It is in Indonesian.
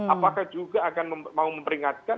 apakah juga akan mau memperingatkan